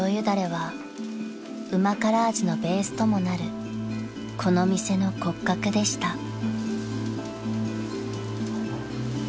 だれは旨辛味のベースともなるこの店の骨格でした］